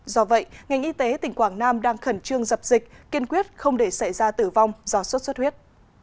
do vậy ngành y tế tỉnh quảng nam đang khẩn trương dập dịch kiên quyết không để xảy ra tử vong do sốt xuất huyết